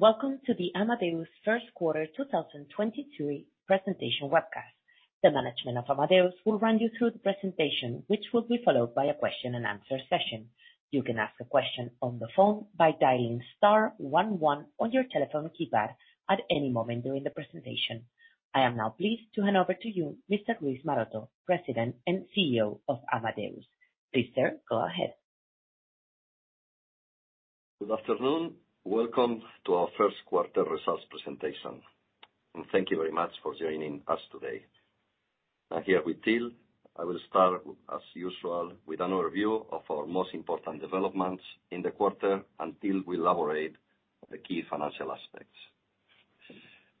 Welcome to the Amadeus first quarter 2022 presentation webcast. The management of Amadeus will run you through the presentation, which will be followed by a question and answer session. You can ask a question on the phone by dialing * 11 on your telephone keypad at any moment during the presentation. I am now pleased to hand over to you, Mr. Luis Maroto, President and CEO of Amadeus. Please, sir, go ahead. Good afternoon. Welcome to our first quarter results presentation. Thank you very much for joining us today. Now, I will start, as usual, with an overview of our most important developments in the quarter until we elaborate the key financial aspects.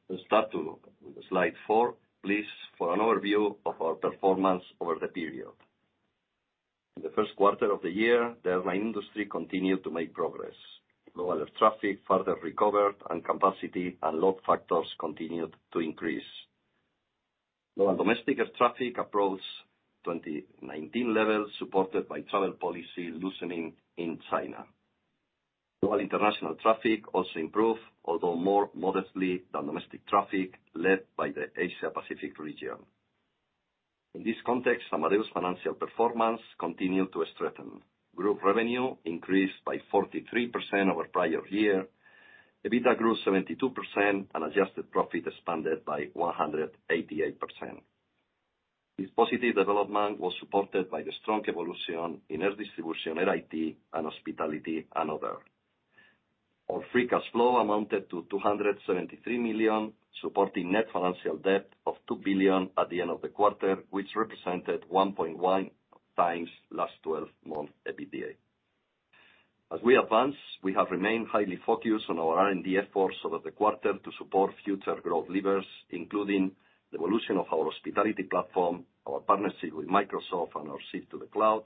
Let's start with slide 4, please, for an overview of our performance over the period. In the first quarter of the year, the airline industry continued to make progress. Global air traffic further recovered. Capacity and load factors continued to increase. Global domestic air traffic approached 2019 levels, supported by travel policy loosening in China. Global international traffic also improved, although more modestly than domestic traffic, led by the Asia-Pacific region. In this context, Amadeus financial performance continued to strengthen. Group revenue increased by 43% over prior year. EBITDA grew 72%. Adjusted profit expanded by 188%. This positive development was supported by the strong evolution in air distribution and IT and hospitality and other. Our free cash flow amounted to 273 million, supporting net financial debt of 2 billion at the end of the quarter, which represented 1.1 times last twelve-month EBITDA. As we advance, we have remained highly focused on our R&D efforts over the quarter to support future growth levers, including the evolution of our hospitality platform, our partnership with Microsoft, and our shift to the cloud,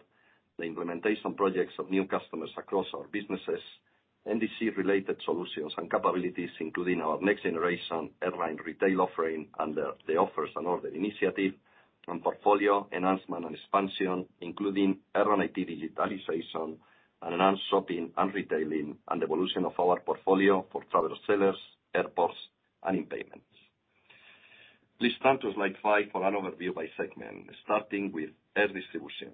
the implementation projects of new customers across our businesses, NDC-related solutions and capabilities, including our next-generation airline retail offering under the Offers and Orders initiative, and portfolio enhancement and expansion, including Airline IT digitalization and enhanced shopping and retailing, and evolution of our portfolio for travel sellers, airports, and in payments. Please turn to slide 5 for an overview by segment, starting with air distribution.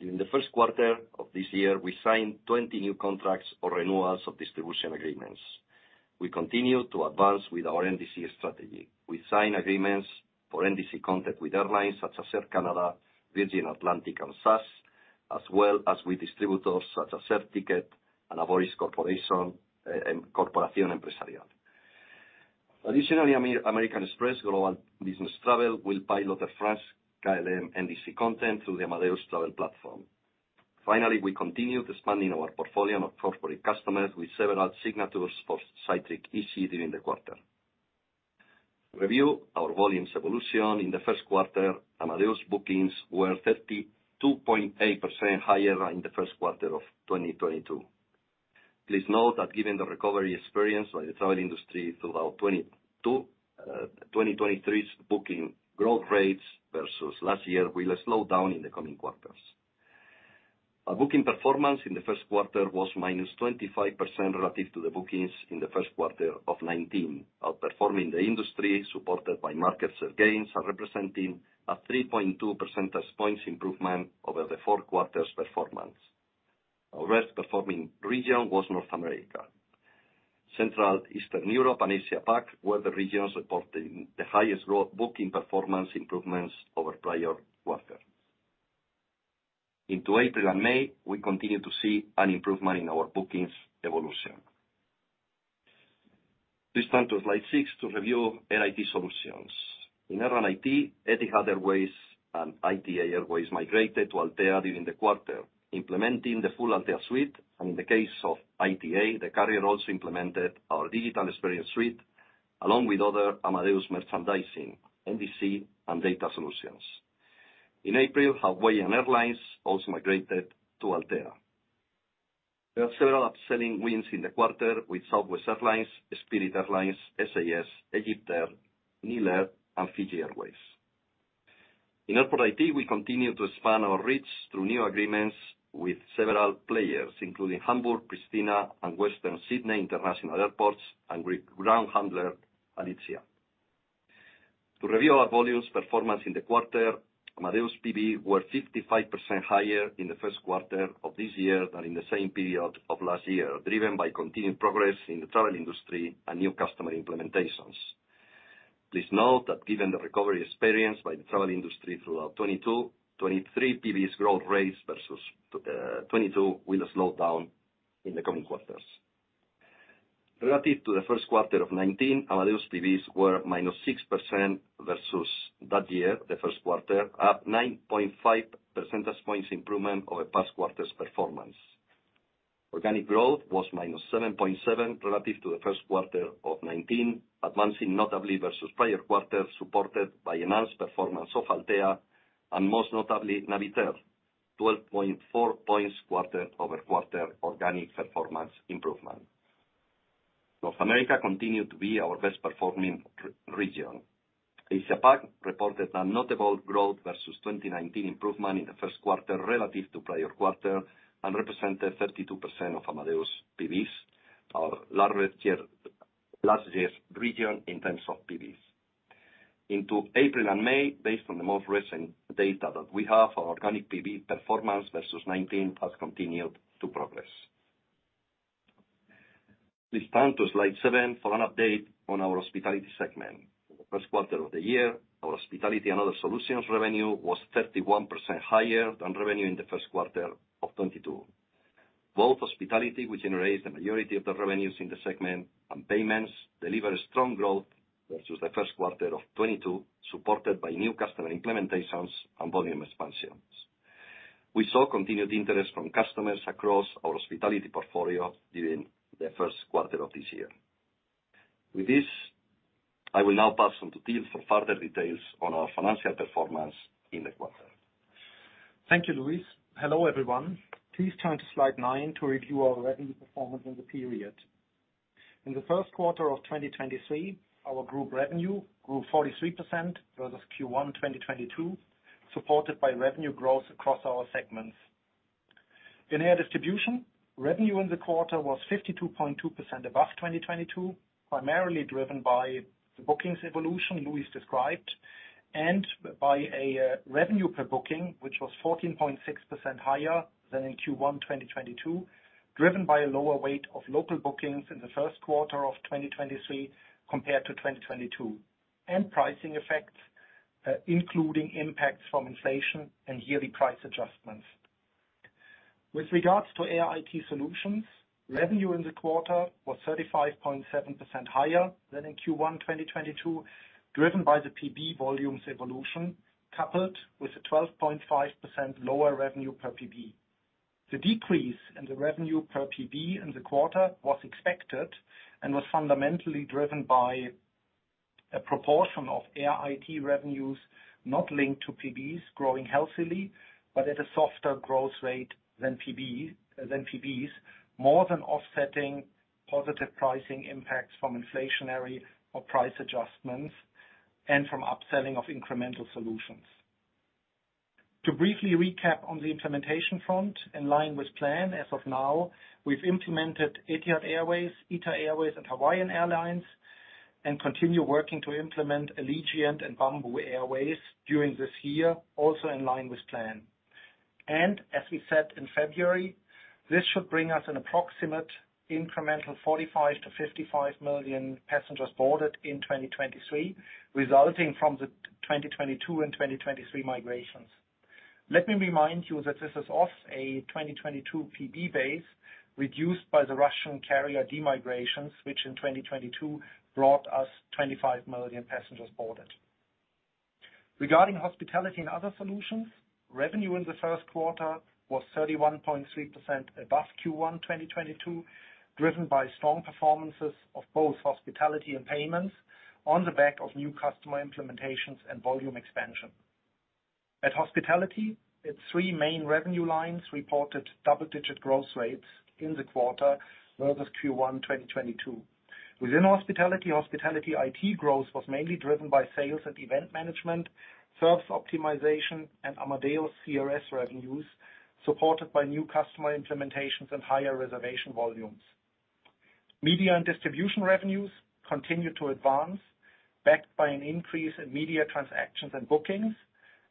During the first quarter of this year, we signed 20 new contracts for renewals of distribution agreements. We continue to advance with our NDC strategy. We sign agreements for NDC content with airlines such as Air Canada, Virgin Atlantic, and SAS, as well as with distributors such as Certicket and Ávoris Corporación Empresarial. American Express Global Business Travel will pilot Air France-KLM NDC content through the Amadeus Travel Platform. We continue expanding our portfolio of corporate customers with several signatures for Cytric Easy during the quarter. Review our volumes evolution in the first quarter. Amadeus bookings were 32.8% higher in the first quarter of 2022. Please note that given the recovery experience by the travel industry throughout 2022, 2023's booking growth rates versus last year will slow down in the coming quarters. Our booking performance in the first quarter was minus 25% relative to the bookings in the first quarter of 2019, outperforming the industry supported by market share gains are representing a 3.2 percentage points improvement over the four quarters' performance. Our best performing region was North America. Central Eastern Europe and Asia Pac were the regions reporting the highest growth booking performance improvements over prior quarters. Into April and May, we continue to see an improvement in our bookings evolution. Please turn to slide 6 to review Air IT Solutions. In Airline IT, Etihad Airways and ITA Airways migrated to Altéa during the quarter, implementing the full Altéa suite. In the case of ITA, the carrier also implemented our Digital Experience Suite, along with other Amadeus merchandising, NDC and data solutions. In April, Hawaiian Airlines also migrated to Altéa. There are several upselling wins in the quarter with Southwest Airlines, Spirit Airlines, SAS, EgyptAir, Nile Air, and Fiji Airways. In Airport IT, we continue to expand our reach through new agreements with several players, including Hamburg, Christchurch, and Western Sydney International Airports and with ground handler, uncertain. To review our volumes performance in the quarter, Amadeus PBs were 55% higher in the first quarter of this year than in the same period of last year, driven by continued progress in the travel industry and new customer implementations. Please note that given the recovery experience by the travel industry throughout 2022, 2023, PBs' growth rates versus 2022 will slow down in the coming quarters. Relative to the first quarter of 2019, Amadeus PBs were -6% versus that year, the first quarter, up 9.5 percentage points improvement over past quarters performance. Organic growth was -7.7 relative to the first quarter of 2019, advancing notably versus prior quarters, supported by enhanced performance of Altéa and most notably Navitaire, 12.4 points quarter-over-quarter organic performance improvement. North America continued to be our best performing region. Asia-Pac reported a notable growth versus 2019 improvement in the first quarter relative to prior quarter and represented 32% of Amadeus PBs, our largest year, largest region in terms of PBs. Into April and May, based on the most recent data that we have, our organic PB performance versus 2019 has continued to progress. Please turn to slide seven for an update on our hospitality segment. First quarter of the year, our hospitality and other solutions revenue was 31% higher than revenue in the first quarter of 2022. Both hospitality, which generates the majority of the revenues in the segment, and payments delivered strong growth versus the first quarter of 2022, supported by new customer implementations and volume expansions. We saw continued interest from customers across our hospitality portfolio during the first quarter of this year. With this, I will now pass on to Till for further details on our financial performance in the quarter. Thank you, Luis. Hello, everyone. Please turn to slide 9 to review our revenue performance in the period. In the first quarter of 2023, our group revenue grew 43% versus Q1 2022, supported by revenue growth across our segments. In air distribution, revenue in the quarter was 52.2% above 2022, primarily driven by the bookings evolution Luis described and by a revenue per booking, which was 14.6% higher than in Q1 2022, driven by a lower weight of local bookings in the first quarter of 2023 compared to 2022, and pricing effects, including impacts from inflation and yearly price adjustments. With regards to Air IT Solutions, revenue in the quarter was 35.7% higher than in Q1 2022, driven by the PB volumes evolution, coupled with a 12.5% lower revenue per PB. The decrease in the revenue per PB in the quarter was expected and was fundamentally driven by a proportion of Air IT revenues not linked to PBs growing healthily, but at a softer growth rate than PBs, more than offsetting positive pricing impacts from inflationary or price adjustments and from upselling of incremental solutions. To briefly recap on the implementation front, in line with plan, as of now, we've implemented Etihad Airways, ITA Airways, and Hawaiian Airlines, and continue working to implement Allegiant and Bamboo Airways during this year, also in line with plan. As we said in February, this should bring us an approximate incremental 45 to 55 million Passengers Boarded in 2023, resulting from the 2022 and 2023 migrations. Let me remind you that this is off a 2022 PB base reduced by the Russian carrier demigrations, which in 2022 brought us 25 million Passengers Boarded. Regarding Hospitality and other solutions, revenue in the first quarter was 31.3% above Q1 2022, driven by strong performances of both Hospitality and payments on the back of new customer implementations and volume expansion. At Hospitality, its three main revenue lines reported double-digit growth rates in the quarter versus Q1 2022. Within Hospitality IT growth was mainly driven by sales and event management, service optimization, and Amadeus CRS revenues, supported by new customer implementations and higher reservation volumes. Media and distribution revenues continued to advance, backed by an increase in media transactions and bookings,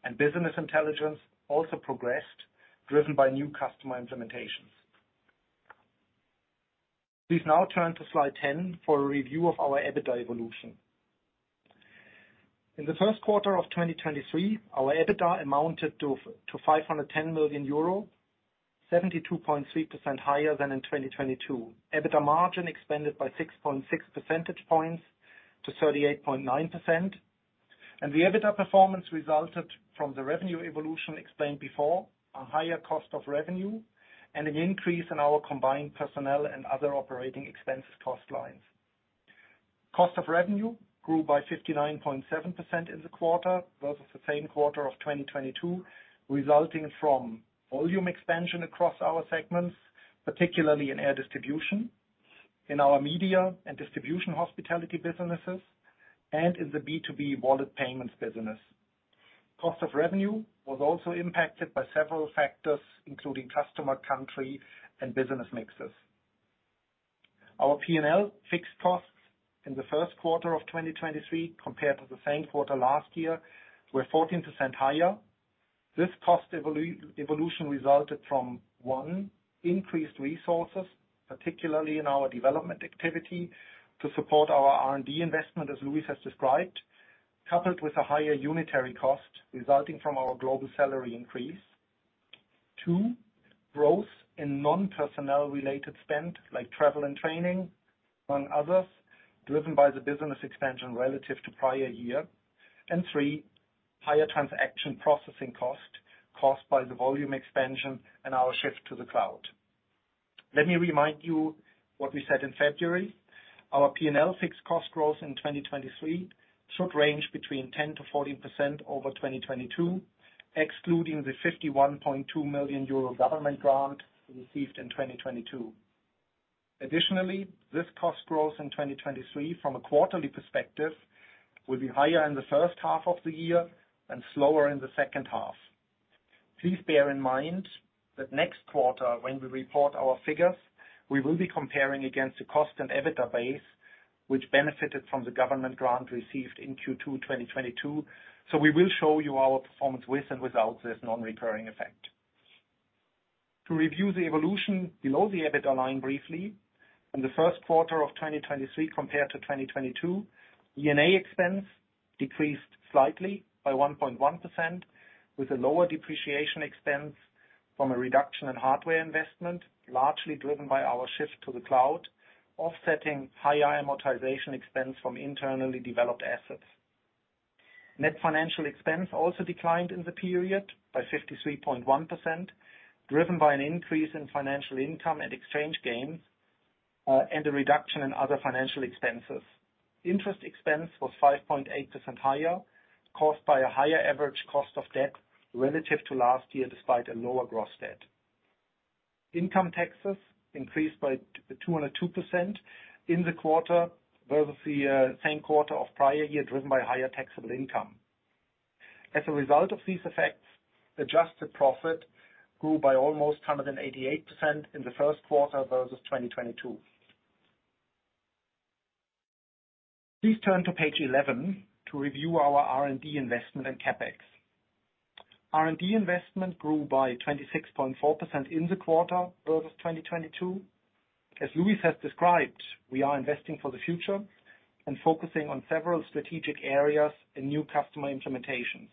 and business intelligence also progressed, driven by new customer implementations. Please now turn to slide 10 for a review of our EBITDA evolution. In the first quarter of 2023, our EBITDA amounted to 510 million euro, 72.3% higher than in 2022. EBITDA margin expanded by 6.6 percentage points to 38.9%. The EBITDA performance resulted from the revenue evolution explained before, a higher cost of revenue, and an increase in our combined personnel and other operating expenses cost lines. Cost of revenue grew by 59.7% in the quarter versus the same quarter of 2022, resulting from volume expansion across our segments, particularly in air distribution, in our media and distribution hospitality businesses, and in the B2B Wallet payments business. Cost of revenue was also impacted by several factors, including customer, country, and business mixes. Our P&L fixed costs in the first quarter of 2023 compared to the same quarter last year were 14% higher. This cost evolution resulted from, 1, increased resources, particularly in our development activity to support our R&D investment, as Luis has described, coupled with a higher unitary cost resulting from our global salary increase. 2, growth in non-personnel related spend, like travel and training, among others, driven by the business expansion relative to prior year. 3, higher transaction processing cost caused by the volume expansion and our shift to the cloud. Let me remind you what we said in February. Our P&L fixed cost growth in 2023 should range between 10%-14% over 2022, excluding the 51.2 million euro government grant we received in 2022. Additionally, this cost growth in 2023 from a quarterly perspective will be higher in the first half of the year and slower in the second half. Please bear in mind that next quarter, when we report our figures, we will be comparing against the cost and EBITDA base, which benefited from the government grant received in Q2 2022. We will show you our performance with and without this non-recurring effect. To review the evolution below the EBITDA line briefly, in the first quarter of 2023 compared to 2022, D&A expense decreased slightly by 1.1% with a lower depreciation expense from a reduction in hardware investment, largely driven by our shift to the cloud, offsetting higher amortization expense from internally developed assets. Net financial expense also declined in the period by 53.1%, driven by an increase in financial income and exchange gains, and a reduction in other financial expenses. Interest expense was 5.8% higher, caused by a higher average cost of debt relative to last year, despite a lower gross debt. Income taxes increased by 202% in the quarter versus the same quarter of prior year, driven by higher taxable income. As a result of these effects, adjusted profit grew by almost 188% in the first quarter versus 2022. Please turn to page 11 to review our R&D investment and CapEx. R&D investment grew by 26.4% in the quarter versus 2022. As Luis has described, we are investing for the future and focusing on several strategic areas and new customer implementations.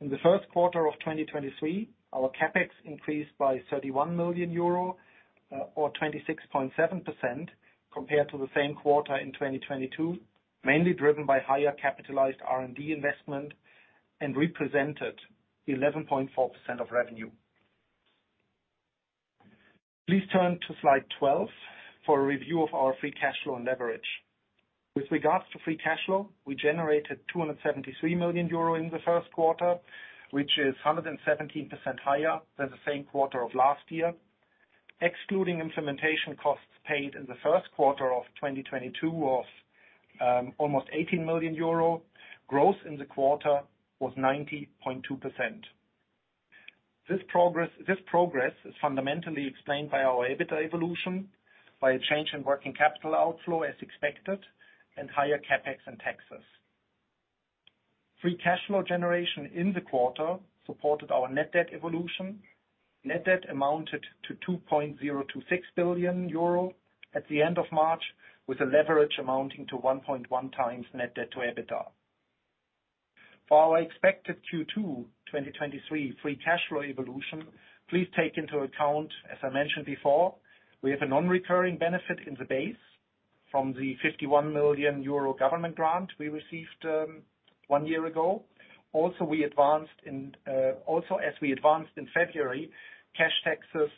In the first quarter of 2023, our CapEx increased by 31 million euro, or 26.7% compared to the same quarter in 2022, mainly driven by higher capitalized R&D investment and represented 11.4% of revenue. Please turn to slide 12 for a review of our free cash flow and leverage. With regards to free cash flow, we generated 273 million euro in the first quarter, which is 117% higher than the same quarter of last year. Excluding implementation costs paid in the first quarter of 2022 of almost 18 million euro, growth in the quarter was 90.2%. This progress is fundamentally explained by our EBITDA evolution, by a change in working capital outflow as expected, and higher CapEx and taxes. Free cash flow generation in the quarter supported our net debt evolution. Net debt amounted to 2.026 billion euro at the end of March, with a leverage amounting to 1.1 times net debt to EBITDA. For our expected Q2 2023 free cash flow evolution, please take into account, as I mentioned before, we have a non-recurring benefit in the base from the 51 million euro government grant we received one year ago. As we advanced in February, cash taxes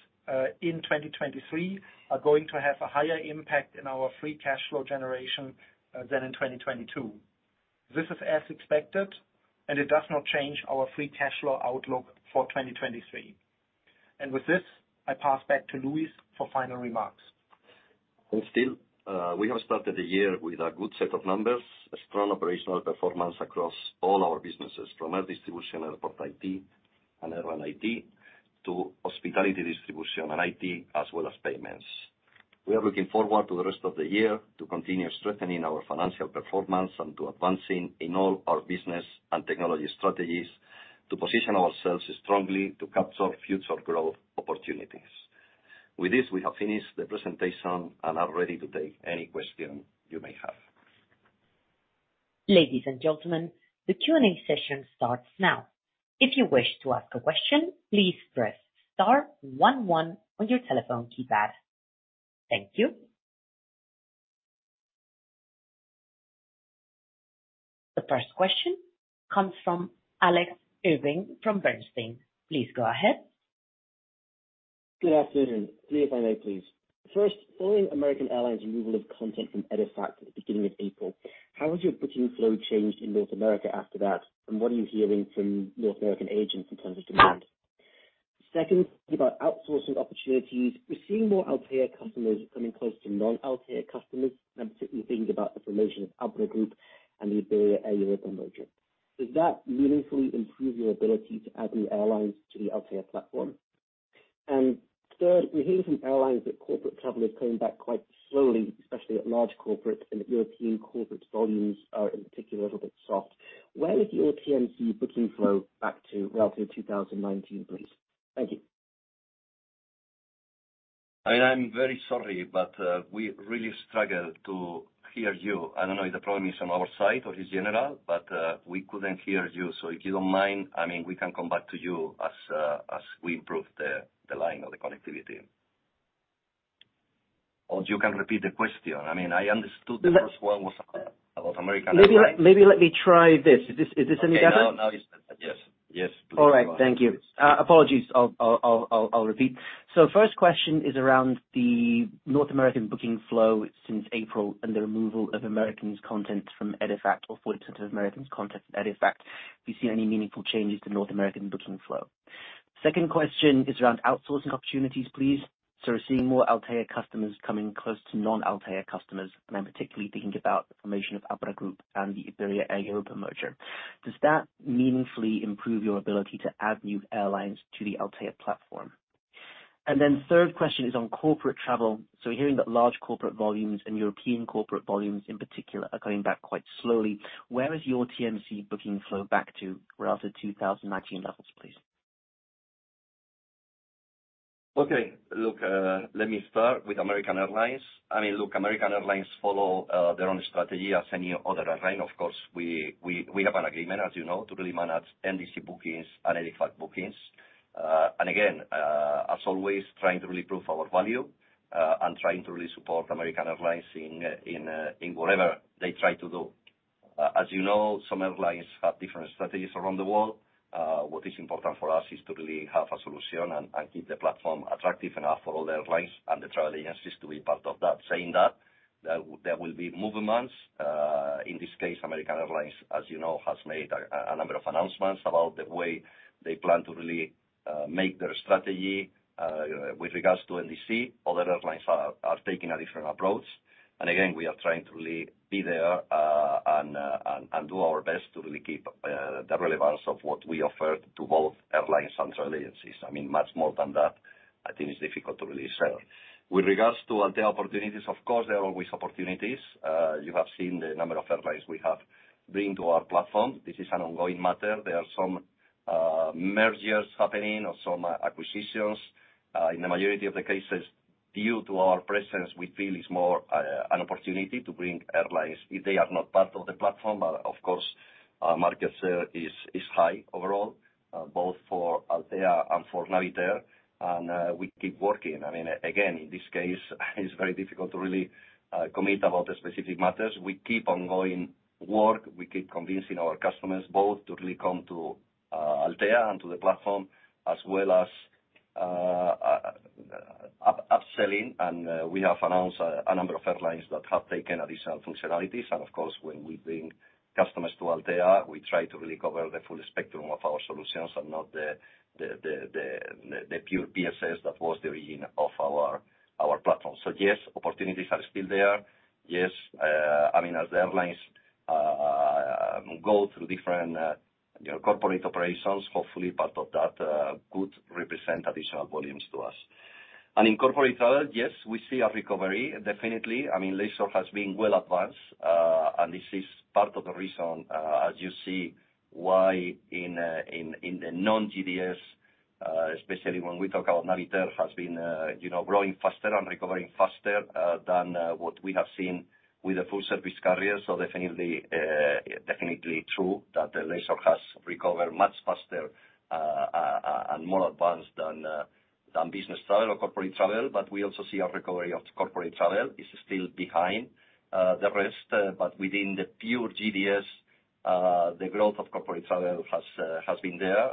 in 2023 are going to have a higher impact in our free cash flow generation than in 2022. This is as expected, and it does not change our free cash flow outlook for 2023. With this, I pass back to Luis for final remarks. Thanks, Till. We have started the year with a good set of numbers, a strong operational performance across all our businesses, from air distribution, airport IT, and airline IT to hospitality distribution and IT as well as payments. We are looking forward to the rest of the year to continue strengthening our financial performance and to advancing in all our business and technology strategies to position ourselves strongly to capture future growth opportunities. With this, we have finished the presentation and are ready to take any question you may have. Ladies and gentlemen, the Q&A session starts now. If you wish to ask a question, please press * 11 on your telephone keypad. Thank you. The first question comes from Alex Irving from Bernstein. Please go ahead. Good afternoon. 3 if I may, please. First, following American Airlines' removal of content from EDIFACT at the beginning of April, how has your booking flow changed in North America after that? What are you hearing from North American agents in terms of demand? Second, about outsourcing opportunities. We're seeing more Altéa customers coming close to non-Altéa customers. I'm particularly thinking about the formation of IAG Group and the Iberia-Aer Lingus merger. Does that meaningfully improve your ability to add new airlines to the Altéa platform? Third, we're hearing from airlines that corporate travel is coming back quite slowly, especially at large corporate and that European corporate volumes are in particular a little bit soft. Where is your TMC booking flow back to relative to 2019, please? Thank you. I am very sorry, but we really struggle to hear you. I don't know if the problem is on our side or is general, but we couldn't hear you. If you don't mind, I mean, we can come back to you as we improve the line or the connectivity. You can repeat the question. I mean, I understood the first one was about American Airlines. Maybe let me try this. Is this any better? Okay. Now, now it's... Yes. Yes. All right. Thank you. Apologies. I'll repeat. First question is around the North American booking flow since April and the removal of American's content from EDIFACT or 46 of American's content from EDIFACT. Do you see any meaningful changes to North American booking flow? Second question is around outsourcing opportunities, please. We're seeing more Altéa customers coming close to non-Altéa customers, and I'm particularly thinking about the formation of IAG Group and the Iberia-Air Europa merger. Does that meaningfully improve your ability to add new airlines to the Altéa platform? Third question is on corporate travel. We're hearing that large corporate volumes and European corporate volumes in particular, are coming back quite slowly. Where is your TMC booking flow back to relative to 2019 levels, please? Okay. Look, let me start with American Airlines. I mean, look, American Airlines follow their own strategy as any other airline. Of course, we have an agreement, as you know, to really manage NDC bookings and EDIFACT bookings. Again, as always, trying to really prove our value and trying to really support American Airlines in whatever they try to do. As you know, some airlines have different strategies around the world. What is important for us is to really have a solution and keep the platform attractive enough for all the airlines and the travel agencies to be part of that. Saying that, there will be movements. In this case, American Airlines, as you know, has made a number of announcements about the way they plan to really make their strategy with regards to NDC. Other airlines are taking a different approach. Again, we are trying to really be there and do our best to really keep the relevance of what we offer to both airlines and travel agencies. I mean, much more than that, I think it's difficult to really say. With regards to Altéa opportunities, of course, there are always opportunities. You have seen the number of airlines we have bring to our platform. This is an ongoing matter. There are some mergers happening or some acquisitions. In the majority of the cases, due to our presence, we feel it's more an opportunity to bring airlines if they are not part of the platform. Of course, our market share is high overall, both for Altéa and for Navitaire. We keep working. I mean, again, in this case, it's very difficult to really commit about the specific matters. We keep ongoing work. We keep convincing our customers both to really come to Altéa and to the platform, as well as upselling. We have announced a number of airlines that have taken additional functionalities. Of course, when we bring customers to Altéa, we try to really cover the full spectrum of our solutions and not the pure PSS that was the beginning of our platform. Yes, opportunities are still there. Yes, I mean, as the airlines go through different, you know, corporate operations, hopefully part of that could represent additional volumes to us. In corporate travel, yes, we see a recovery, definitely. I mean, leisure has been well advanced, and this is part of the reason, as you see, why in the non-GDS, especially when we talk about Navitaire, has been, you know, growing faster and recovering faster than what we have seen with the full service carriers. Definitely, definitely true that the leisure has recovered much faster and more advanced than business travel or corporate travel. We also see a recovery of corporate travel. It's still behind the rest, but within the pure GDS, the growth of corporate travel has been there,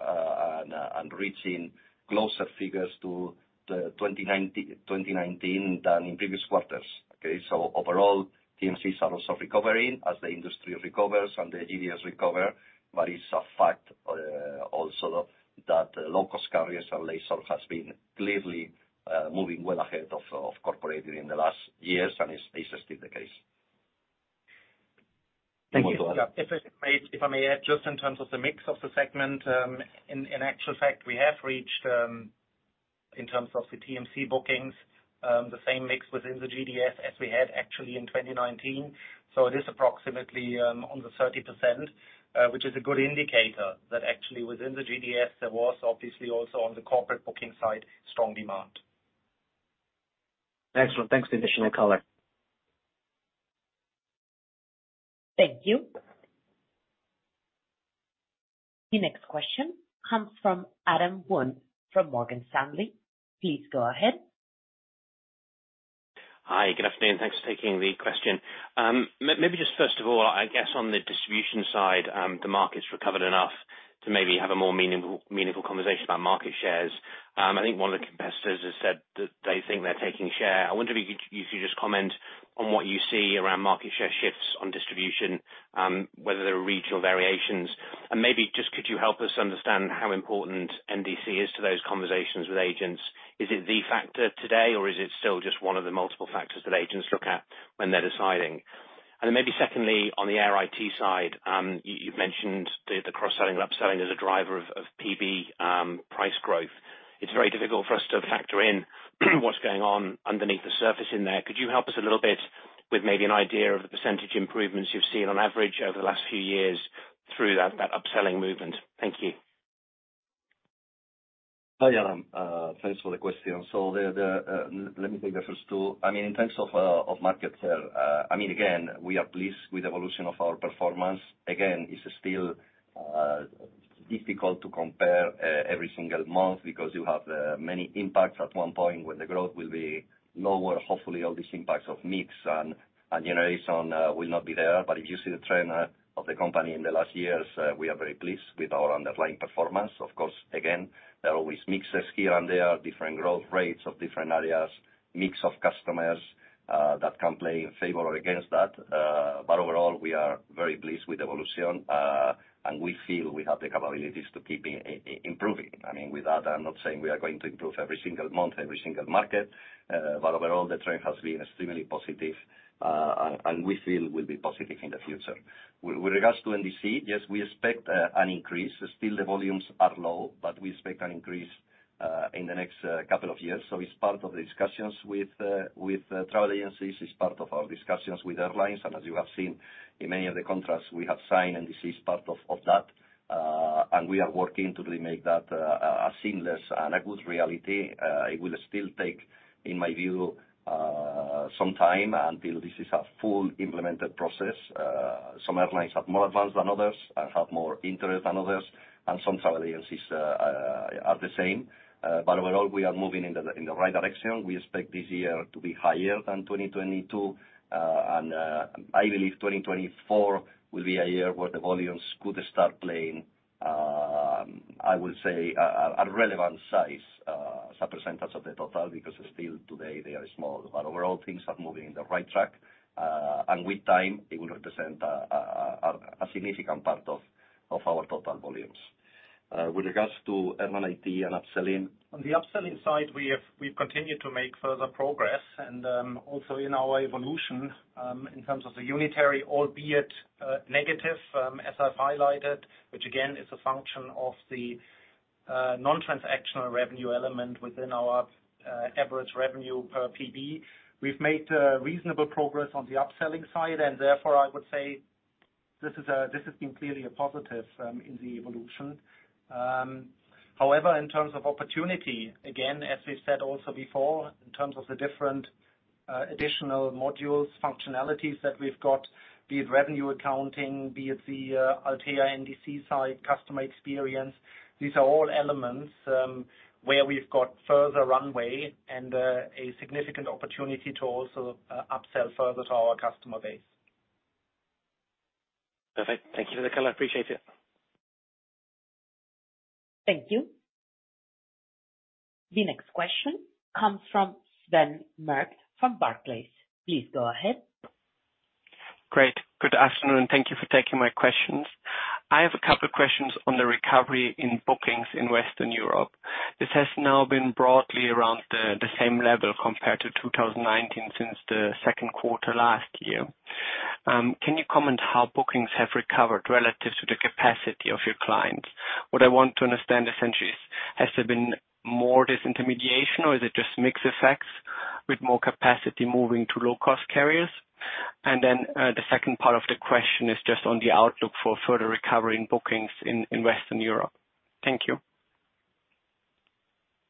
and reaching closer figures to the 2019 than in previous quarters. Okay. Overall, TMCs are also recovering as the industry recovers and the GDS recover. It's a fact also that low-cost carriers and leisure has been clearly moving well ahead of corporate in the last years, and it's still the case. Thank you. Go ahead. If I may add just in terms of the mix of the segment, in actual fact, we have reached, in terms of the TMC bookings, the same mix within the GDS as we had actually in 2019. It is approximately, on the 30%, which is a good indicator that actually within the GDS, there was obviously also on the corporate booking side, strong demand. Excellent. Thanks for the additional color. Thank you. The next question comes from Adam Wood from Morgan Stanley. Please go ahead. Hi, good afternoon. Thanks for taking the question. maybe just first of all, I guess on the distribution side, the market's recovered enough to maybe have a more meaningful conversation about market shares. I think one of the competitors has said that they think they're taking share. I wonder if you could just comment on what you see around market share shifts on distribution, whether there are regional variations. Maybe just could you help us understand how important NDC is to those conversations with agents? Is it the factor today, or is it still just one of the multiple factors that agents look at when they're deciding? Then maybe secondly, on the Air IT side, you've mentioned the cross-selling and upselling as a driver of PB, price growth. It's very difficult for us to factor in what's going on underneath the surface in there. Could you help us a little bit with maybe an idea of the % improvements you've seen on average over the last few years through that upselling movement? Thank you. Hi, Adam. Thanks for the question. Let me take the first two. I mean, in terms of market share, I mean, again, we are pleased with the evolution of our performance. Again, it's still difficult to compare every single month because you have many impacts at one point when the growth will be lower. Hopefully, all these impacts of mix and generation will not be there. If you see the trend of the company in the last years, we are very pleased with our underlying performance. Of course, again, there are always mixes here and there, different growth rates of different areas, mix of customers that can play in favor or against that. Overall, we are very pleased with evolution. We feel we have the capabilities to keep improving. I mean, with that, I'm not saying we are going to improve every single month, every single market, but overall the trend has been extremely positive, and we feel will be positive in the future. With regards to NDC, yes, we expect an increase. Still the volumes are low, but we expect an increase in the next couple of years. It's part of the discussions with travel agencies. It's part of our discussions with airlines. As you have seen in many of the contracts we have signed, NDC is part of that, and we are working to really make that a seamless and a good reality. It will still take, in my view, some time until this is a full implemented process. Some airlines are more advanced than others and have more interest than others, and some travel agencies are the same. Overall, we are moving in the right direction. We expect this year to be higher than 2022. I believe 2024 will be a year where the volumes could start playing, I would say, a relevant size as a percentage of the total, because still today they are small. Overall things are moving in the right track, with time it will represent a significant part of our total volumes. With regards to L&IT and upselling. On the upselling side, we've continued to make further progress and also in our evolution in terms of the unitary, albeit negative, as I've highlighted, which again is a function of the non-transactional revenue element within our average revenue per PB. We've made reasonable progress on the upselling side and therefore I would say this has been clearly a positive in the evolution. However, in terms of opportunity, again, as we've said also before, in terms of the different additional modules, functionalities that we've got, be it revenue accounting, be it the Altéa NDC side, customer experience, these are all elements where we've got further runway and a significant opportunity to also upsell further to our customer base. Perfect. Thank you for the color. I appreciate it. Thank you. The next question comes from Sven Merkt from Barclays. Please go ahead. Great. Good afternoon. Thank you for taking my questions. I have a couple of questions on the recovery in bookings in Western Europe. This has now been broadly around the same level compared to 2019 since the second quarter last year. Can you comment how bookings have recovered relative to the capacity of your clients? What I want to understand essentially is, has there been more disintermediation or is it just mix effects with more capacity moving to low-cost carriers? The second part of the question is just on the outlook for further recovery in bookings in Western Europe. Thank you.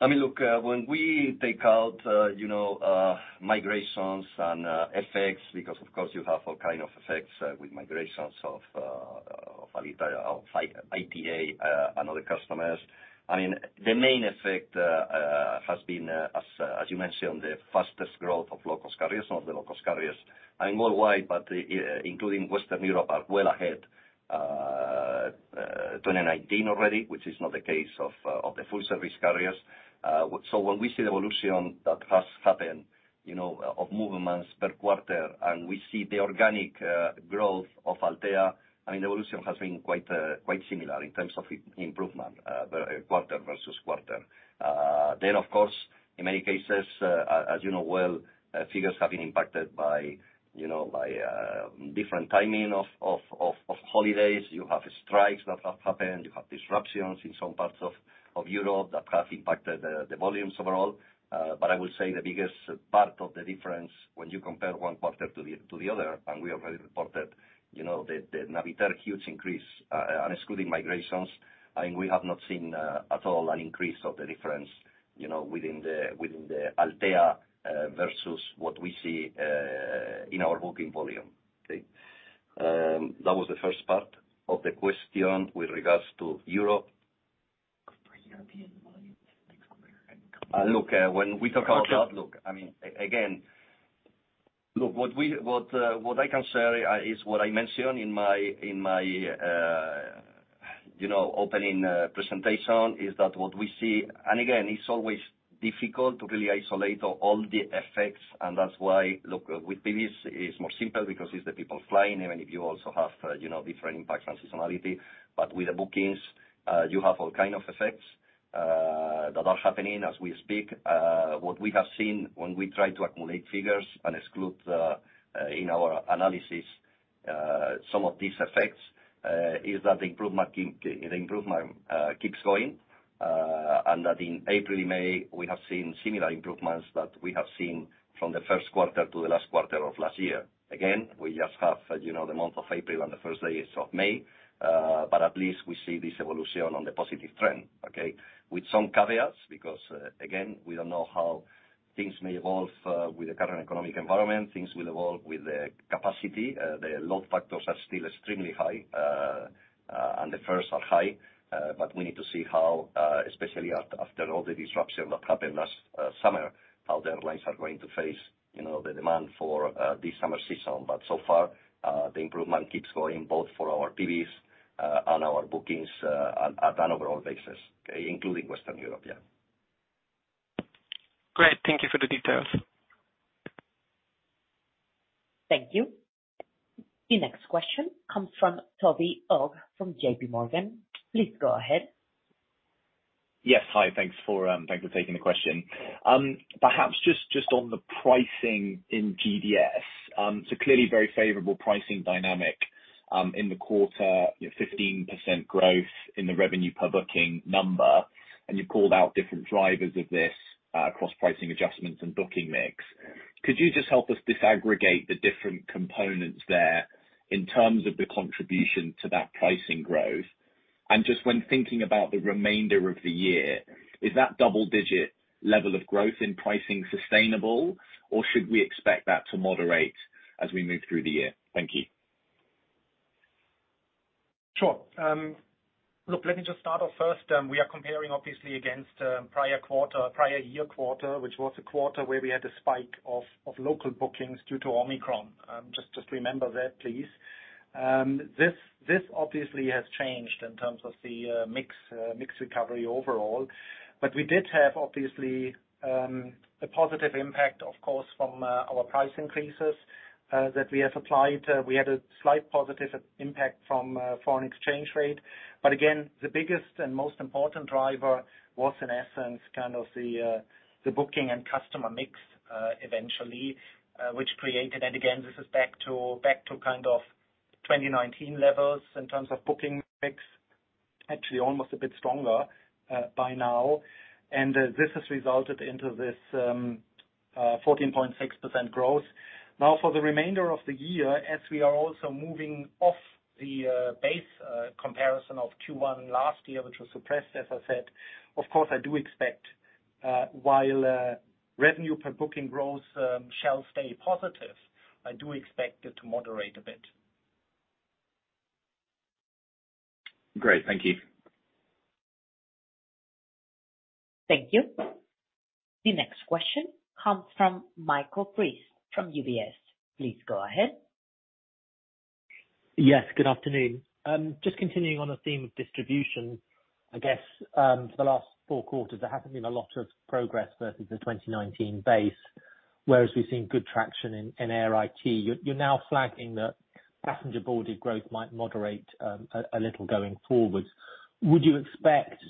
I mean, look, when we take out, you know, migrations and effects, because of course you have all kind of effects with migrations of ITA and other customers. I mean, the main effect has been, as you mentioned, the fastest growth of low-cost carriers. Some of the low-cost carriers and worldwide, but including Western Europe, are well ahead 2019 already, which is not the case of the full service carriers. When we see the evolution that has happened, you know, of movements per quarter, and we see the organic growth of Altéa, I mean, the evolution has been quite similar in terms of improvement quarter versus quarter. Of course, in many cases, as you know well, figures have been impacted by, you know, by different timing of holidays. You have strikes that have happened, you have disruptions in some parts of Europe that have impacted the volumes overall. But I will say the biggest part of the difference when you compare one quarter to the other, and we already reported, you know, the Navitaire huge increase, excluding migrations, and we have not seen at all an increase of the difference, you know, within the Altéa, versus what we see in our booking volume. That was the first part of the question with regards to Europe. European volumes and American volumes. Look, when we talk about outlook, I mean, again, look what we, what I can share is what I mentioned in my, you know, opening presentation, is that what we see. It's always difficult to really isolate all the effects. That's why, look, with PBs it's more simple because it's the people flying, even if you also have, you know, different impacts on seasonality. With the bookings, you have all kind of effects, that are happening as we speak. What we have seen when we try to accumulate figures and exclude in our analysis some of these effects, is that the improvement keeps going, and that in April, May, we have seen similar improvements that we have seen from the first quarter to the last quarter of last year. We just have, you know, the month of April and the first days of May, at least we see this evolution on the positive trend, okay? With some caveats, because again, we don't know how things may evolve with the current economic environment. Things will evolve with the capacity. The load factors are still extremely high, and the first are high. We need to see how, especially after all the disruption that happened last summer, how the airlines are going to face, you know, the demand for the summer season. So far, the improvement keeps going both for our PBs and our bookings at an overall basis, okay? Including Western Europe, yeah. Great. Thank you for the details. Thank you. The next question comes from Toby Ogg from JPMorgan. Please go ahead. Yes. Hi. Thanks for taking the question. Perhaps just on the pricing in GDS. Clearly very favorable pricing dynamic in the quarter. Your 15% growth in the revenue per booking number, and you called out different drivers of this across pricing adjustments and booking mix. Could you just help us disaggregate the different components there in terms of the contribution to that pricing growth? Just when thinking about the remainder of the year, is that double-digit level of growth in pricing sustainable, or should we expect that to moderate as we move through the year? Thank you. Sure. Look, let me just start off first. We are comparing obviously against prior quarter, prior year quarter, which was a quarter where we had a spike of local bookings due to Omicron. Just remember that, please. This obviously has changed in terms of the mix recovery overall. We did have, obviously, a positive impact, of course, from our price increases that we have applied. We had a slight positive impact from foreign exchange rate. Again, the biggest and most important driver was, in essence, kind of the booking and customer mix eventually, which created... Again, this is back to kind of 2019 levels in terms of booking mix. Actually almost a bit stronger by now. This has resulted into this, 14.6% growth. Now, for the remainder of the year, as we are also moving off the base comparison of Q1 last year, which was suppressed, as I said, of course, I do expect, while revenue per booking growth shall stay positive, I do expect it to moderate a bit. Great. Thank you. Thank you. The next question comes from Michael Briest from UBS. Please go ahead. Yes, good afternoon. Just continuing on the theme of distribution, I guess, for the last four quarters, there hasn't been a lot of progress versus the 2019 base, whereas we've seen good traction in Air IT. You're now flagging that Passengers Boarded growth might moderate a little going forward. Would you expect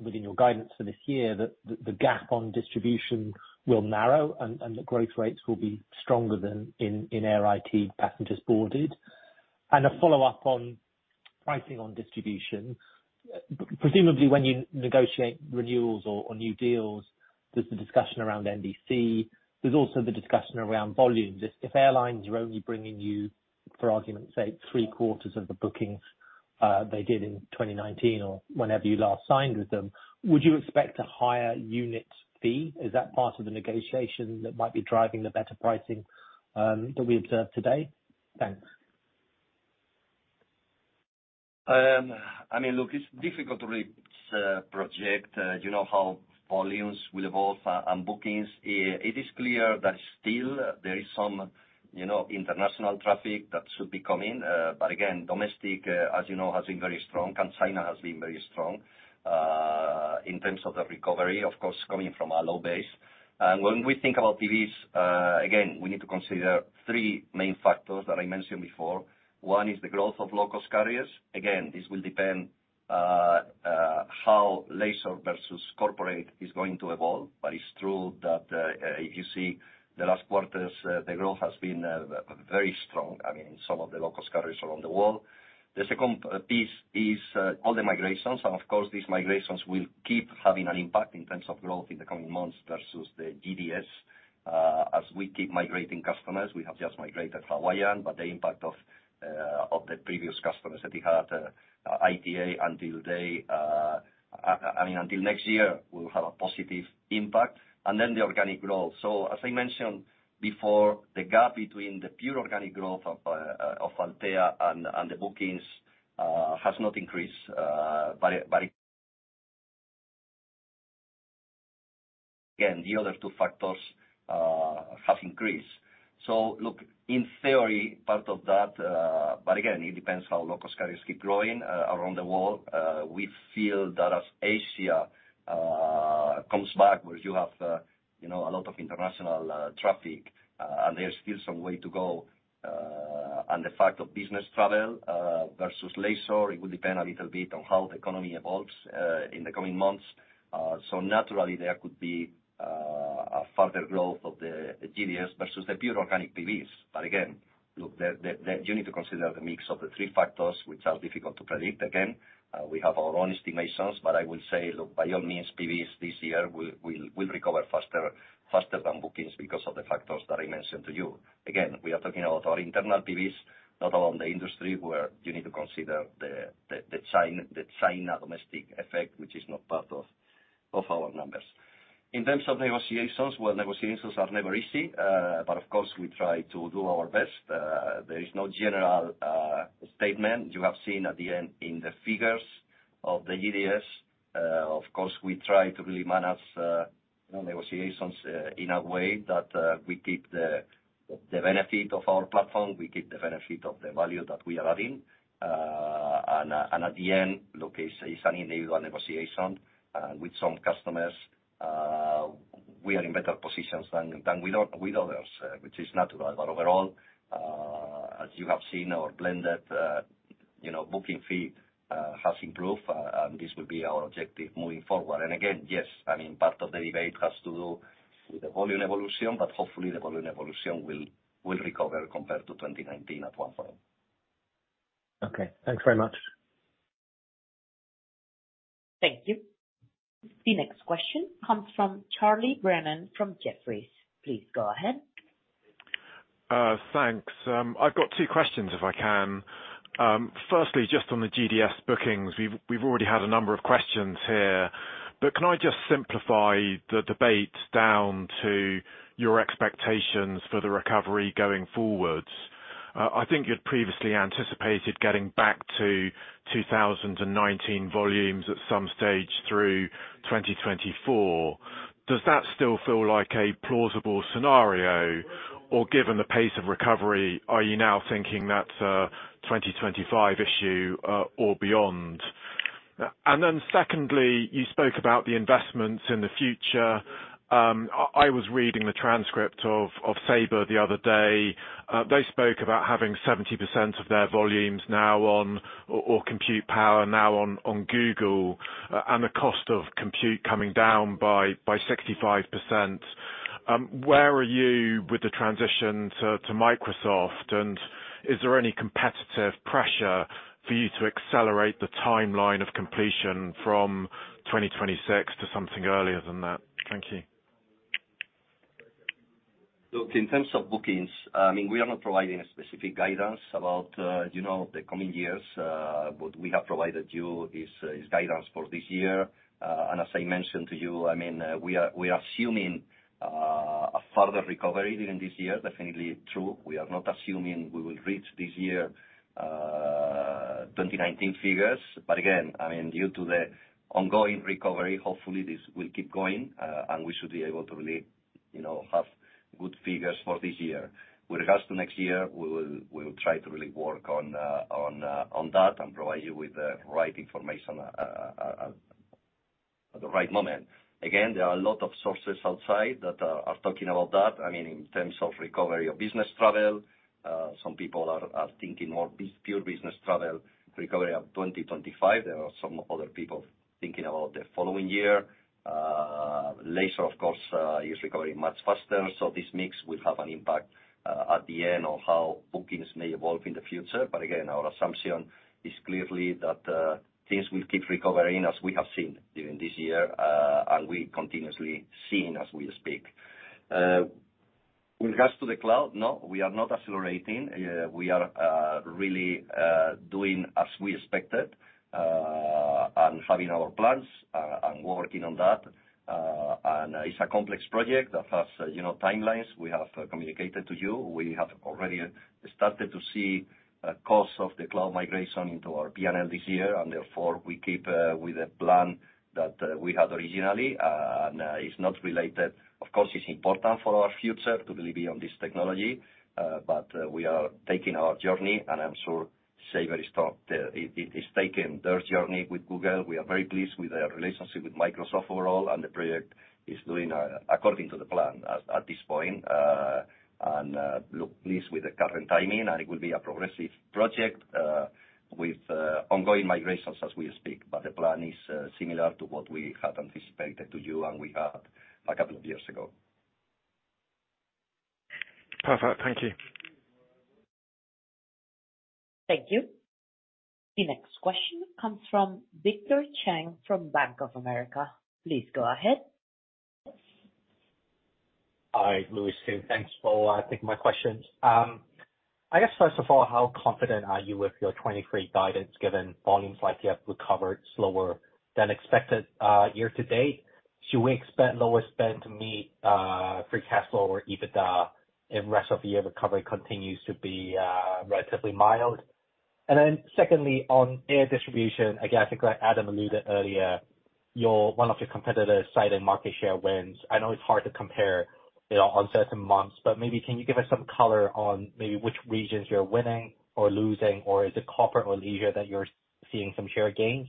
within your guidance for this year, that the gap on distribution will narrow and the growth rates will be stronger than in Air IT Passengers Boarded? A follow-up on pricing on distribution. Presumably, when you negotiate renewals or new deals, there's the discussion around NDC. There's also the discussion around volumes. If airlines are only bringing you, for argument's sake, three-quarters of the bookings, they did in 2019 or whenever you last signed with them, would you expect a higher unit fee? Is that part of the negotiation that might be driving the better pricing, that we observed today? Thanks. I mean, look, it's difficult to project, you know, how volumes will evolve and bookings. It is clear that still there is some, you know, international traffic that should be coming. Again, domestic, as you know, has been very strong. China has been very strong, in terms of the recovery, of course, coming from a low base. When we think about PBs, again, we need to consider 3 main factors that I mentioned before. One is the growth of low-cost carriers. Again, this will depend, how leisure versus corporate is going to evolve. It's true that, if you see the last quarters, the growth has been very strong, I mean, in some of the low-cost carriers around the world. The second piece is all the migrations, and of course, these migrations will keep having an impact in terms of growth in the coming months versus the GDS. As we keep migrating customers, we have just migrated Hawaiian, but the impact of the previous customers that we had ITA until they... I mean, until next year, will have a positive impact, and then the organic growth. As I mentioned before, the gap between the pure organic growth of Altéa and the bookings has not increased by again, the other two factors have increased. Look, in theory, part of that, but again, it depends how low-cost carriers keep growing around the world. We feel that as Asia comes back, where you have, you know, a lot of international traffic, and there's still some way to go. The fact of business travel versus leisure, it will depend a little bit on how the economy evolves in the coming months. Naturally, there could be a further growth of the GDS versus the pure organic PBs. Again, look, the You need to consider the mix of the three factors which are difficult to predict again. We have our own estimations, I will say, look, by all means, PBs this year will recover faster than bookings because of the factors that I mentioned to you. We are talking about our internal PBs, not about the industry where you need to consider the China domestic effect, which is not part of our numbers. In terms of negotiations, well, negotiations are never easy. Of course, we try to do our best. There is no general statement. You have seen at the end in the figures of the GDS. Of course, we try to really manage negotiations in a way that we keep the benefit of our platform, we keep the benefit of the value that we are adding. At the end, look, it's an annual negotiation with some customers. We are in better positions than with others, which is natural. Overall, as you have seen, our blended, you know, booking fee has improved, and this will be our objective moving forward. Again, yes, I mean, part of the debate has to do with the volume evolution, but hopefully the volume evolution will recover compared to 2019 at one point. Okay. Thanks very much. Thank you. The next question comes from Charlie Brennan from Jefferies. Please go ahead. Thanks. I've got two questions, if I can. Firstly, just on the GDS bookings, we've already had a number of questions here, but can I just simplify the debate down to your expectations for the recovery going forwards? I think you'd previously anticipated getting back to 2019 volumes at some stage through 2024. Does that still feel like a plausible scenario? Given the pace of recovery, are you now thinking that's a 2025 issue, or beyond? Secondly, you spoke about the investments in the future. I was reading the transcript of Sabre the other day. They spoke about having 70% of their volumes now on or compute power now on Google, and the cost of compute coming down by 65%. Where are you with the transition to Microsoft? Is there any competitive pressure for you to accelerate the timeline of completion from 2026 to something earlier than that? Thank you. Look, in terms of bookings, I mean, we are not providing a specific guidance about, you know, the coming years, we have provided you this guidance for this year. As I mentioned to you, I mean, we are assuming a further recovery during this year. Definitely true. We are not assuming we will reach this year, 2019 figures. Again, I mean, due to the ongoing recovery, hopefully this will keep going, we should be able to really, you know, have good figures for this year. With regards to next year, we will try to really work on that and provide you with the right information at the right moment. Again, there are a lot of sources outside that are talking about that. I mean, in terms of recovery of business travel, some people are thinking more pure business travel recovery of 2025. There are some other people thinking about the following year. Leisure, of course, is recovering much faster. This mix will have an impact at the end on how bookings may evolve in the future. Again, our assumption is clearly that things will keep recovering as we have seen during this year, and we continuously seeing as we speak. With regards to the cloud, no, we are not accelerating. We are really doing as we expected, and having our plans, and working on that. And it's a complex project that has, you know, timelines we have communicated to you. We have already started to see costs of the cloud migration into our PNL this year. Therefore we keep with the plan that we had originally, and it's not related. Of course, it's important for our future to really be on this technology, but we are taking our journey. I'm sure Sabre is taking their journey with Google. We are very pleased with their relationship with Microsoft overall. The project is doing according to the plan at this point. Look pleased with the current timing, and it will be a progressive project with ongoing migrations as we speak. The plan is similar to what we had anticipated to you and we had a couple of years ago. Perfect. Thank you. Thank you. The next question comes from Victor Cheng from Bank of America. Please go ahead. Hi, Luis. Thanks for taking my questions. I guess first of all, how confident are you with your 23 guidance given volumes like you have recovered slower than expected year to date? Should we expect lower spend to meet free cash flow or EBITDA if rest of year recovery continues to be relatively mild? Secondly, on air distribution, again, I think Adam alluded earlier, one of your competitors cited market share wins. I know it's hard to compare, you know, on certain months, but maybe can you give us some color on maybe which regions you're winning or losing or is it corporate or leisure that you're seeing some share gains?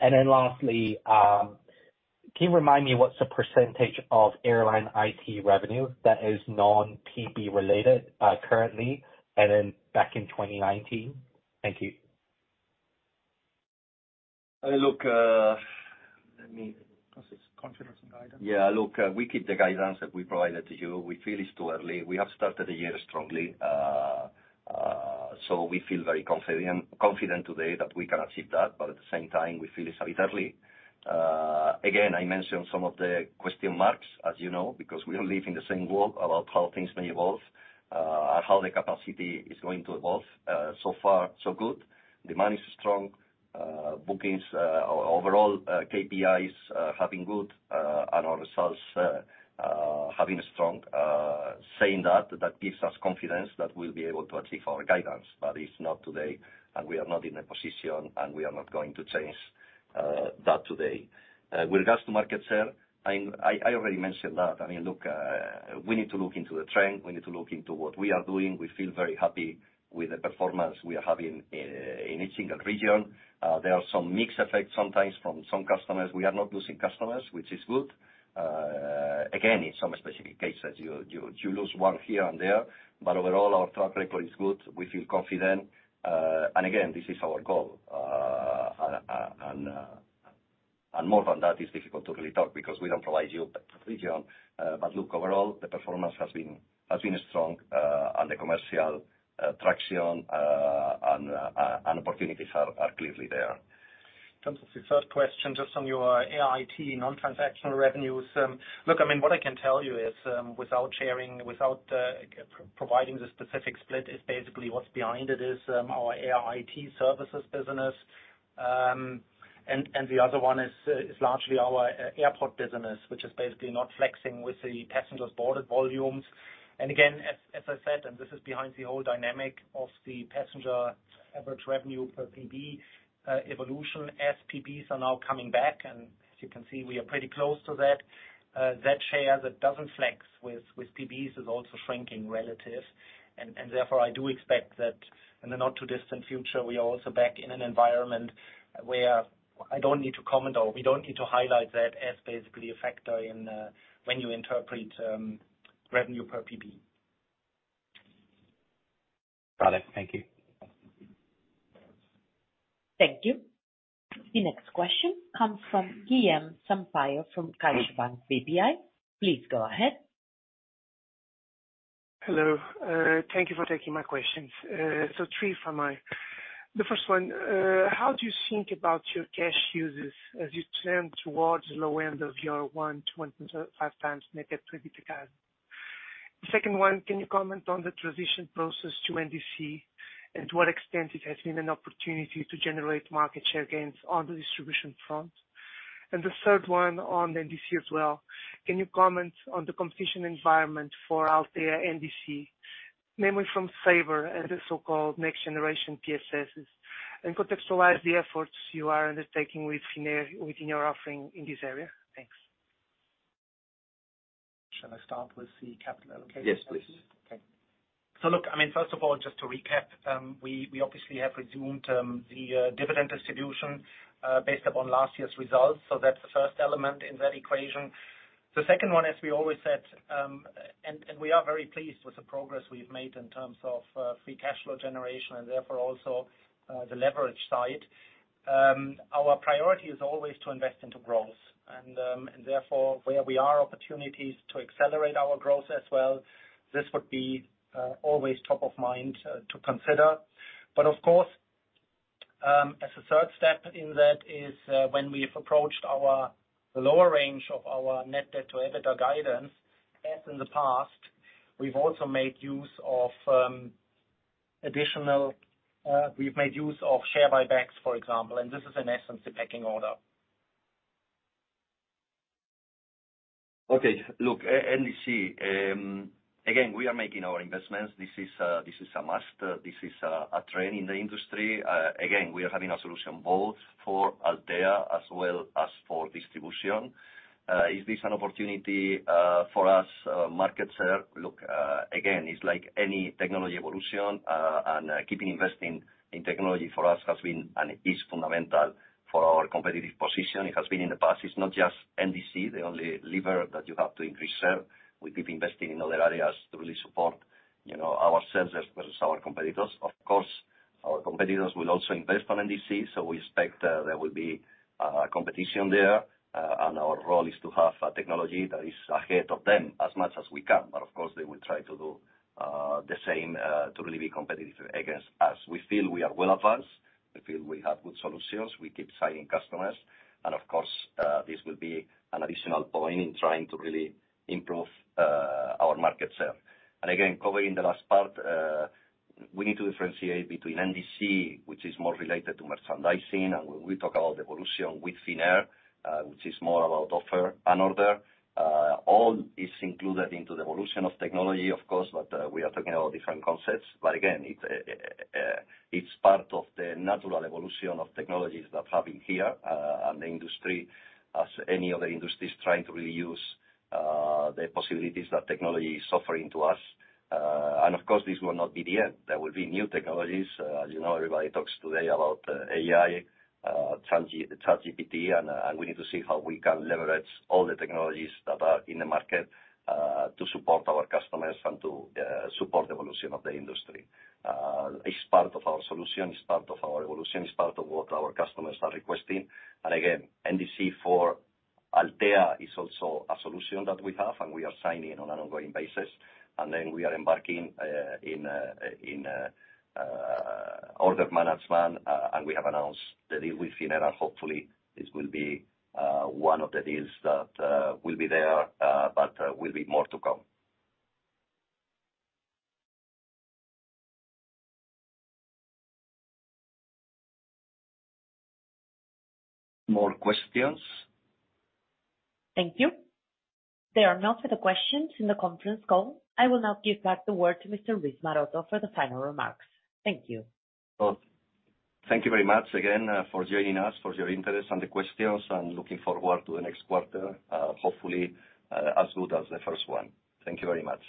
Lastly, can you remind me what's the percentage of airline IT revenue that is non-PB related currently and then back in 2019? Thank you. Look. Confidence and guidance. Look, we keep the guidance that we provided to you. We feel it's too early. We have started the year strongly. So we feel very confident today that we can achieve that, but at the same time, we feel it's a bit early. Again, I mentioned some of the question marks, as you know, because we all live in the same world about how things may evolve, and how the capacity is going to evolve. So far so good. Demand is strong. Bookings, overall, KPIs, have been good, and our results have been strong. Saying that gives us confidence that we'll be able to achieve our guidance. It's not today, and we are not in a position, and we are not going to change that today. With regards to market share, I already mentioned that. I mean, look, we need to look into the trend. We need to look into what we are doing. We feel very happy with the performance we are having in each single region. There are some mixed effects sometimes from some customers. We are not losing customers, which is good. Again, in some specific cases, you lose one here and there, but overall our track record is good. We feel confident. Again, this is our goal. More than that is difficult to really talk because we don't provide you the provision. Look, overall, the performance has been strong, and the commercial traction and opportunities are clearly there. In terms of the third question, just on your AIIT non-transactional revenues. Look, what I can tell you is, without providing the specific split, is basically what's behind it is our AIIT services business. The other one is largely our airport business, which is basically not flexing with the passengers boarded volumes. Again, as I said, and this is behind the whole dynamic of the passenger average revenue per PB evolution, as PBs are now coming back, and as you can see, we are pretty close to that. That share that doesn't flex with PBs is also shrinking relative. Therefore, I do expect that in the not-too-distant future, we are also back in an environment where I don't need to comment or we don't need to highlight that as basically a factor in when you interpret revenue per PB. Got it. Thank you. Thank you. The next question comes from Guilherme Sampaio from CaixaBank BPI. Please go ahead. Hello. Thank you for taking my questions. Three from me. The first one, how do you think about your cash uses as you turn towards low end of your 1 to 5 times net debt to EBITDA? The second one, can you comment on the transition process to NDC and to what extent it has been an opportunity to generate market share gains on the distribution front? And the third one on NDC as well, can you comment on the competition environment for Altéa NDC, mainly from Sabre and the so-called next generation PSSs, and contextualize the efforts you are undertaking within your offering in this area? Thanks. Shall I start with the capital allocation? Yes, please. Okay. Look, I mean, first of all, just to recap, we obviously have resumed the dividend distribution based upon last year's results. That's the first element in that equation. The second one, as we always said, and we are very pleased with the progress we've made in terms of free cash flow generation and therefore also the leverage side. Our priority is always to invest into growth, and therefore, where we are opportunities to accelerate our growth as well, this would be always top of mind to consider. Of course, as a third step in that is, when we've approached the lower range of our net debt to EBITDA guidance, as in the past, we've also made use of share buybacks, for example. This is in essence, the pecking order. Okay. Look, N-NDC, again, we are making our investments. This is, this is a must. This is a trend in the industry. again, we are having a solution both for Altéa as well as for distribution. Is this an opportunity for us, market share? Look, again, it's like any technology evolution, and keeping investing in technology for us has been and is fundamental for our competitive position. It has been in the past. It's not just NDC, the only lever that you have to increase share. We keep investing in other areas to really support, you know, ourselves as well as our competitors. Of course, our competitors will also invest on NDC. We expect there will be competition there. Our role is to have a technology that is ahead of them as much as we can. Of course, they will try to do the same to really be competitive against us. We feel we are well advanced. We feel we have good solutions. We keep signing customers. Of course, this will be an additional point in trying to really improve our market share. Again, covering the last part, we need to differentiate between NDC, which is more related to merchandising. We talk about evolution with Finnair, which is more about offer and order. All is included into the evolution of technology, of course, but we are talking about different concepts. Again, it's part of the natural evolution of technologies that happen here, and the industry as any other industries trying to really use the possibilities that technology is offering to us. And of course, this will not be the end. There will be new technologies. As you know, everybody talks today about AI, ChatGPT, and we need to see how we can leverage all the technologies that are in the market to support our customers and to support the evolution of the industry. It's part of our solution. It's part of our evolution. It's part of what our customers are requesting. Again, NDC for Altéa is also a solution that we have, and we are signing on an ongoing basis. We are embarking, in, order management, and we have announced the deal with Finnair. Hopefully, this will be, one of the deals that, will be there, but, will be more to come. More questions? Thank you. There are no further questions in the conference call. I will now give back the word to Mr. Luis Maroto for the final remarks. Thank you. Thank you very much again, for joining us, for your interest and the questions, looking forward to the next quarter, hopefully, as good as the first one. Thank you very much.